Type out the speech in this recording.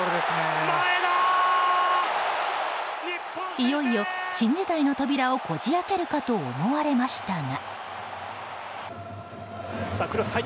いよいよ新時代の扉をこじ開けるかと思われましたが。